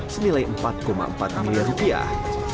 senilai empat empat miliar rupiah